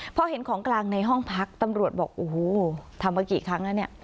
พอเห็นของกลางในห้องพักตำรวจบอกโอ้โหทำมากี่ครั้งแล้วเนี่ย